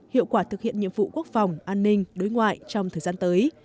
hiệu quả thực hiện nhiệm vụ quốc phòng an ninh đối ngoại trong thời gian tới